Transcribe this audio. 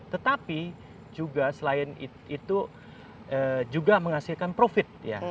tetapi juga selain itu juga menghasilkan profit ya